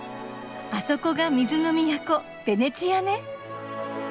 あそこが水の都ベネチアね。